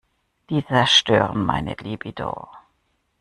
Die zerstören meine Libido.